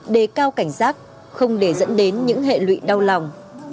đề cao cảnh giác không để dẫn đến những hệ lụy đau lòng